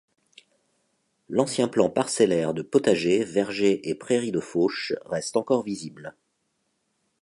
L'ancien plan parcellaire de potagers, vergers et prairies de fauche reste encore visible.